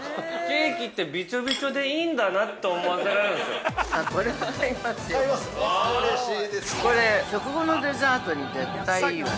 ◆ケーキってびちょびちょでいいんだなって思わせられるんですよ。